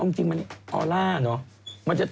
เอาจริงมันออร่าเนอะ